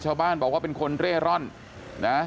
ชาวบ้านบอกว่าเป็นคนเร่ร่อนนะ